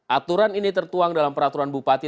aturan ini tertuang dalam peraturan bupati